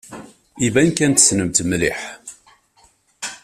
Iban kan tessnem-t mliḥ.